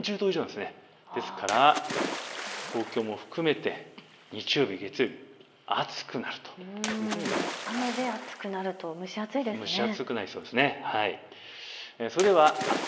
ですから東京も含めて日曜日、月曜日、暑くなるというふうに見られます。